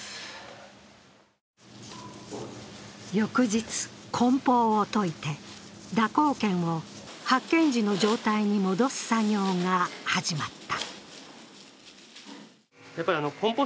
翌日梱包を解いて、蛇行剣を発見時の状態に戻す作業が始まった。